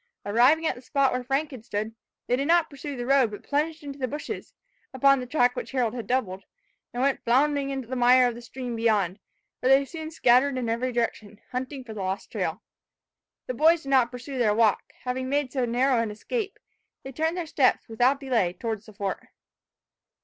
Arriving at the spot where Frank had stood, they did not pursue the road, but plunged into the bushes, upon the track which Harold had doubled, and went floundering into the mire of the stream beyond, where they soon scattered in every direction, hunting for the lost trail. The boys did not pursue their walk; having made so narrow an escape, they turned their steps, without delay, towards the fort.